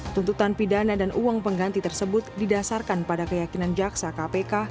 tuntutan pidana dan uang pengganti tersebut didasarkan pada keyakinan jaksa kpk